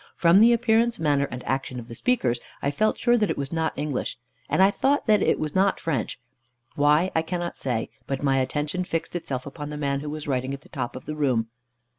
From the appearance, manner, and action of the speakers, I felt sure that it was not English, and I thought that it was not French. Why, I cannot say; but my attention fixed itself upon the man who was writing at the top of the room.